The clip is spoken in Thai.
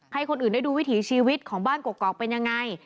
ให้คนอื่นได้ดูวิถีชีวิตของบ้านกกอกเป็นยังไง